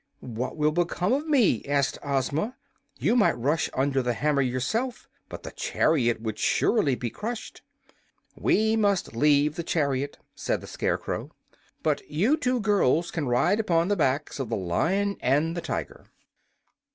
"What will become of me?" asked Ozma. "You might rush under the hammer yourself, but the chariot would surely be crushed." "We must leave the chariot," said the Scarecrow. "But you two girls can ride upon the backs of the Lion and the Tiger."